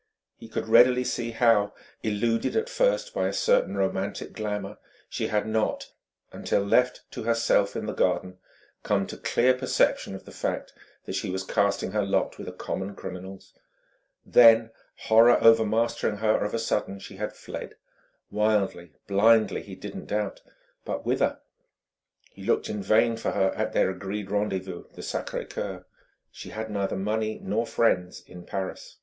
He could readily see how, illuded at first by a certain romantic glamour, she had not, until left to herself in the garden, come to clear perception of the fact that she was casting her lot with a common criminal's. Then, horror overmastering her of a sudden she had fled wildly, blindly, he didn't doubt. But whither? He looked in vain for her at their agreed rendezvous, the Sacré Coeur. She had neither money nor friends in Paris.